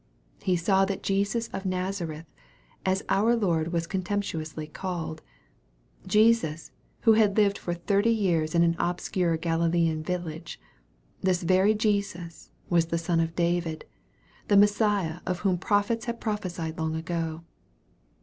He saw that Jesus of Nazareth, as our Lord was contemptuously called Jesus, who had lived for thirty years in an obscure Galilean village this very Jesus was the Son of David the Messiah of whom prophets had prophesied long ago.